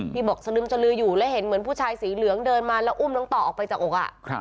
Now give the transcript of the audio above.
ที่บอกสลึมสลืออยู่แล้วเห็นเหมือนผู้ชายสีเหลืองเดินมาแล้วอุ้มน้องต่อออกไปจากอก